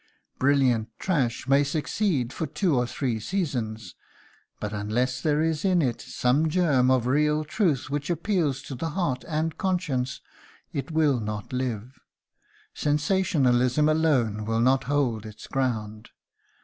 Brilliant trash may succeed for two or three seasons, but unless there is in it some germ of real truth which appeals to the heart and conscience it will not live. Sensationalism alone will not hold its ground.